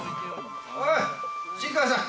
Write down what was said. おい新川さん